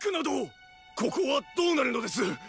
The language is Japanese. ここはどうなるのです